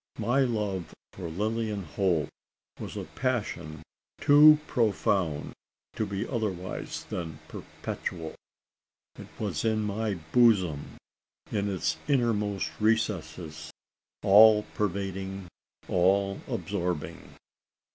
My love for Lilian Holt was a passion too profound to be otherwise than perpetual. It was in my bosom in its innermost recesses, all pervading all absorbing.